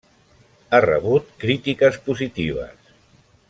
Ha rebut crítiques positives.